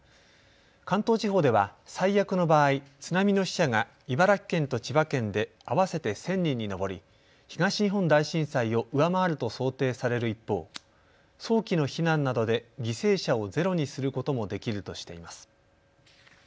関東地方では最悪の場合、津波の死者が茨城県と千葉県で合わせて１０００人に上り東日本大震災を上回ると想定される一方、早期の避難などで犠牲者をゼロにすることもできるとしています。